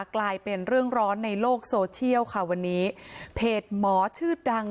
กลายเป็นเรื่องร้อนในโลกโซเชียลค่ะวันนี้เพจหมอชื่อดัง